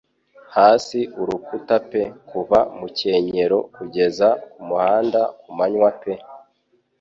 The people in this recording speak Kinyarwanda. Hasi Urukuta pe kuva mukenyero kugeza kumuhanda kumanywa pe